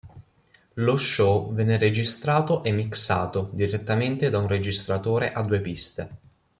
Lo show venne registrato e mixato direttamente da un registratore a due piste.